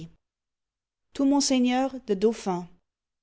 150. TO MONSEIGNEUR THE DAUPHIN.